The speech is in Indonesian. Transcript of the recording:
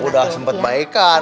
sudah sempat baik kan